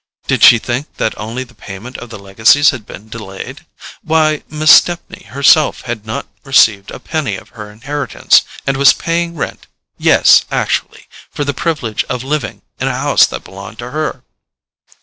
Did she think that only the payment of the legacies had been delayed? Why, Miss Stepney herself had not received a penny of her inheritance, and was paying rent—yes, actually!—for the privilege of living in a house that belonged to her.